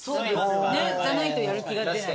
ねっじゃないとやる気が出ない。